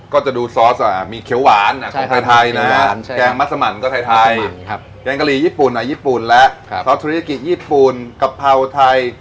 ก็จะดูซอสมีเขียวหวานของไทยนะแกงมัสมันก็ไทยแกงกะหรี่ญี่ปุ่นญี่ปุ่นและซอสธุรกิจญี่ปุ่นกะเพราไทย